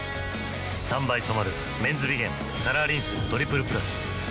３倍染まる「メンズビゲンカラーリンストリプルプラス」